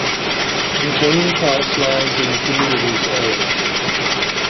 The Jaunpass lies in the community's area.